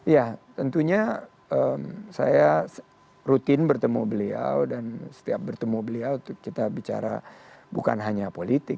ya tentunya saya rutin bertemu beliau dan setiap bertemu beliau kita bicara bukan hanya politik